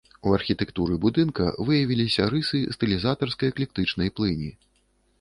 У архітэктуры будынка выявіліся рысы стылізатарска-эклектычнай плыні.